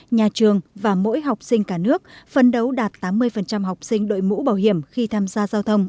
nhà trường và mỗi học sinh cả nước phân đấu đạt tám mươi học sinh đội mũ bảo hiểm khi tham gia giao thông